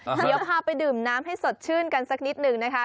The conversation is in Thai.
เดี๋ยวพาไปดื่มน้ำให้สดชื่นกันสักนิดนึงนะคะ